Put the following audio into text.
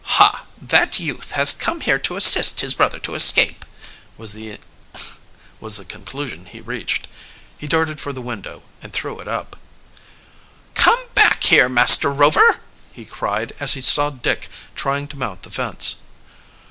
"Ha! that youth has come here to assist his brother to escape!" was the conclusion he reached. He darted for the window and threw it up. "Come back here, Master Rover!" he cried, as he saw Dick trying to mount the fence.